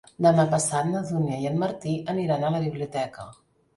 Demà passat na Dúnia i en Martí aniran a la biblioteca.